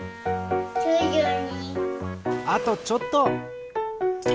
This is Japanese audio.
あとちょっと。